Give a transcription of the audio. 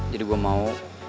jadi gue mau